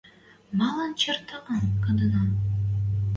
Малын чертлан коденӓ?» —